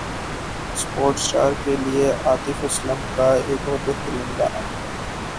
superstar کے لیے عاطف اسلم کا ایک اور بہترین گانا